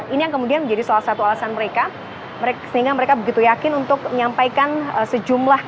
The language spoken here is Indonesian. ini yang kemudian menjadi salah satu alasan mereka sehingga mereka begitu yakin untuk menyampaikan sejumlah kesalahan entry dan juga berbagai hal